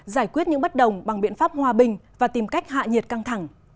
giải quyết những bất đồng bằng biện pháp hòa bình và tìm cách hạ nhiệt căng thẳng